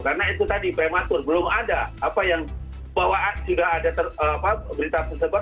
karena itu tadi prematur belum ada apa yang bahwa sudah ada berita tersebar